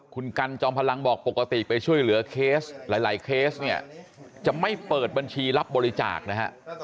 คุณกันจอมพลังบอกปกติไปช่วยเหลือเคสหลายเคสเนี่ยจะไม่เปิดบัญชีรับบริจาคนะฮะ